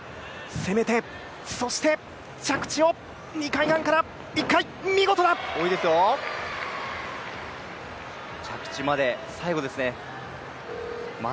攻めて、そして着地を２回半から１回、着地まで最後ですね。